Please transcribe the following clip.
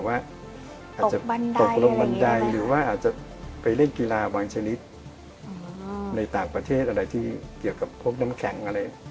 ว่าอาจจะตกลงบันไดหรือว่าอาจจะไปเล่นกีฬาบางชนิดในต่างประเทศอะไรที่เกี่ยวกับพวกน้ำแข็งอะไร